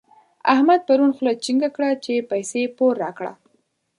احمد پرون خوله چينګه کړه چې پيسې پور راکړه.